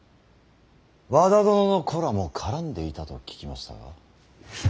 和田殿の子らも絡んでいたと聞きましたが。